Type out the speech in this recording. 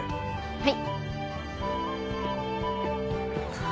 はい！